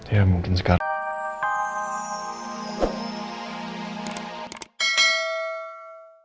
ya mungkin sekarang